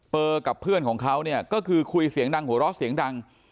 กับเพื่อนของเขาเนี่ยก็คือคุยเสียงดังหัวเราะเสียงดัง